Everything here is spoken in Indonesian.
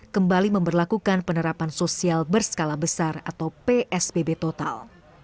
kembali memperlakukan penerapan sosial berskala besar atau psbb total